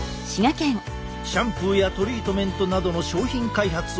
シャンプーやトリートメントなどの商品開発をしている。